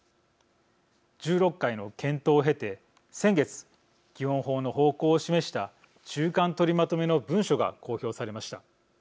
１６回の検討を経て先月基本法の方向を示した中間取りまとめの文書が公表されました。